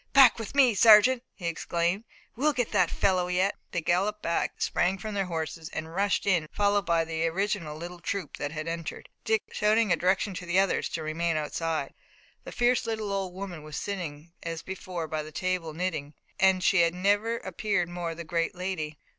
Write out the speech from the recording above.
"Back with me, sergeant!" he exclaimed. "We'll get that fellow yet!" They galloped back, sprang from their horses, and rushed in, followed by the original little troop that had entered, Dick shouting a direction to the others to remain outside. The fierce little old woman was sitting as before by the table, knitting, and she had never appeared more the great lady.